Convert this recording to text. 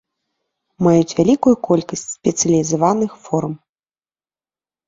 Маюць вялікую колькасць спецыялізаваных форм.